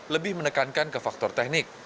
lebih menekankan ke faktor teknik